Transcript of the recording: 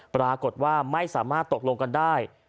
ปรากฏว่าไม่สามารถตกลงกันได้